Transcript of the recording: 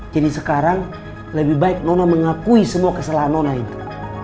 sekarang lebih baik nono mengakui semua kesalahan nona itu